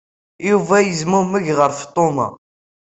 Yuba yezmumeg ɣer Feṭṭuma.